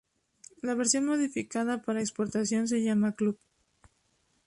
La versión modificada para exportación se llama 'Club'.